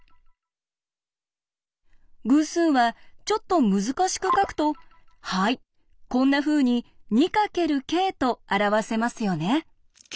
偶数はちょっと難しく書くとはいこんなふうに「２かけるｋ」と表せますよね。